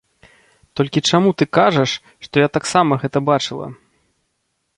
Толькі чаму ты кажаш, што я таксама гэта бачыла?